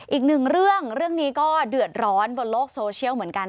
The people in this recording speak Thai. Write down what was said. อีกหนึ่งเรื่องเรื่องนี้ก็เดือดร้อนบนโลกโซเชียลเหมือนกัน